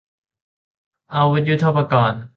อาวุธยุทโธปกรณ์